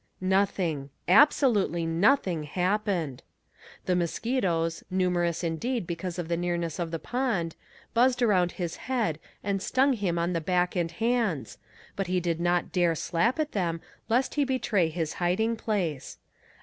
Nothing absolutely nothing happened! The mosquitoes, numerous indeed because of the nearness of the pond, buzzed around his head and stung him on the neck and hands, but he did not dare slap at them lest he betray his hiding place.